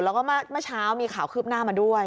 แล้วก็เมื่อเช้ามีข่าวคืบหน้ามาด้วย